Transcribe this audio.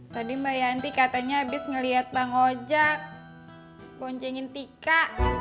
tadi mbak yanti katanya abis ngeliat bang ojak poncengin tika